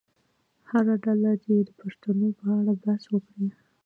هره ډله دې د پوښتنو په اړه بحث وکړي.